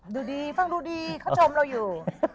ดูดีฟังดูดีเขาชมเราอยู่